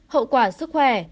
hậu quả sức khỏe